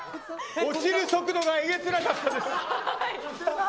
落ちる速度がえげつなかったです。